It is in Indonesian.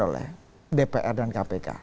oleh dpr dan kpk